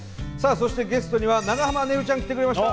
そしてゲストには長濱ねるちゃん来てくれました！